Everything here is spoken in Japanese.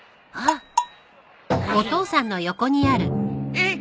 えっ！？